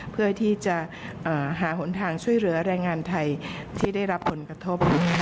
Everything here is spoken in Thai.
เพื่อที่จะหาหนทางช่วยเหลือแรงงานไทยที่ได้รับผลกระทบ